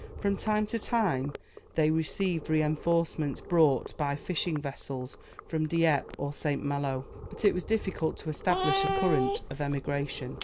From time to time, they received reinforcements brought by fishing vessels from Dieppe or St. Malo. But it was difficult to establish a current of emigration.